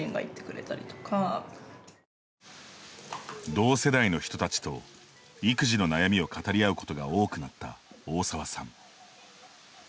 同世代の人たちと育児の悩みを語り合うことが多くなった大澤さん。